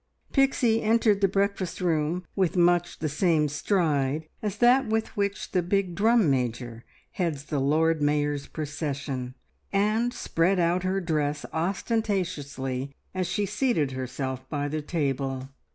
Pixie entered the breakfast room with much the same stride as that with which the big drum major heads the Lord Mayor's procession, and spread out her dress ostentatiously as she seated herself by the table.